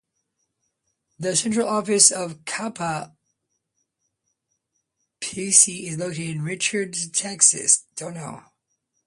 The Central Office of Kappa Psi is located in Richardson, Texas.